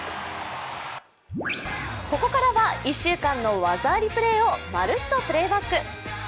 ここからは１週間の技アリプレーをまるっとプレーバック。